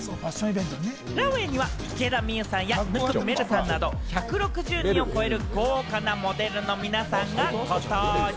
ランウェイには池田美優さんや生見愛瑠さんなど１６０人を超える豪華なモデルの皆さんが登場。